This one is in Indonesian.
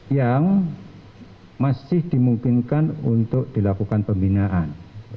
yang masih dimungkinkan untuk dilakukan pembinaan